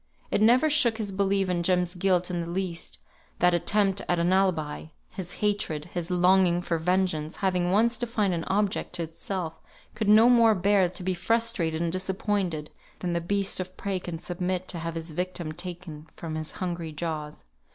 It never shook his belief in Jem's guilt in the least, that attempt at an alibi; his hatred, his longing for vengeance, having once defined an object to itself, could no more bear to be frustrated and disappointed than the beast of prey can submit to have his victim taken from his hungry jaws.